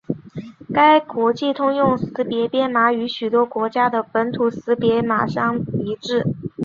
该国际通用识别编码与许多国家的本国识别码相一致。